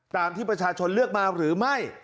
ตามที่ประชาชนเลือกมาหรือไม่